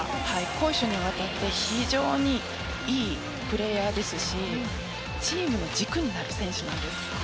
攻守にわたって非常に良いプレーヤーですしチームの軸になる選手なんです。